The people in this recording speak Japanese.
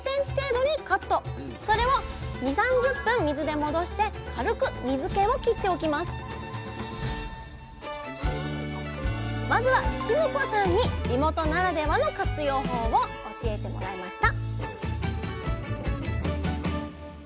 それをまずは絹子さんに地元ならではの活用法を教えてもらいました